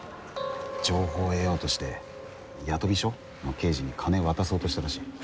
情報を得ようとして八飛署？の刑事に金渡そうとしたらしい。